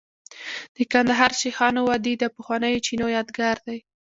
د کندهار شیخانو وادي د پخوانیو چینو یادګار دی